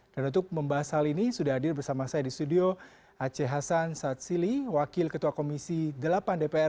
dan untuk membahas hal ini sudah hadir bersama saya di studio aceh hasan satsili wakil ketua komisi delapan dpr selamat malam bang aceh